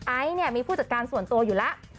ไอซ์เนี่ยมีผู้จัดการส่วนตัวอยู่แล้ว